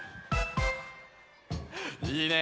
いいね！